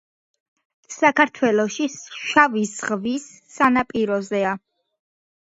საქართველოში შავი ზღვის სანაპიროზეა.